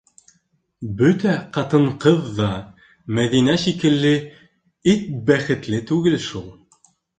Бөтә ҡатын-ҡыҙ ҙа Мәҙинә шикелле эт бәхетле түгел шул!..